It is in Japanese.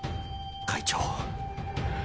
会長。